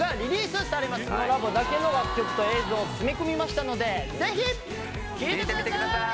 スノラボだけの楽曲と映像を詰め込みましたのでぜひ聴いてみてください！